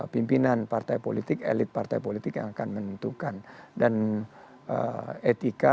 pembangunan pembicaraan koalisi itu pasti akan terus cair berdinamika